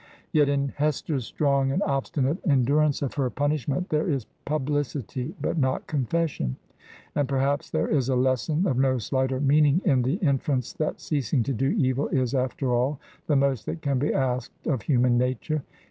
Yet, in Hester's strong and obstinate endurance of her pun ishment there is publicity but not confession; and per haps there is a lesson of no slighter meaning in the in ference that ceasing to do evil is, after all, the most that can be asked of human nature.